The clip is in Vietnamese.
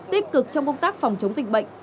tích cực trong công tác phòng chống dịch bệnh